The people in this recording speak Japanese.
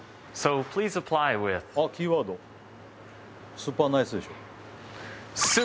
スーパーナイスでしょ。